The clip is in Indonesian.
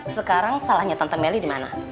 sekarang salahnya tante melly dimana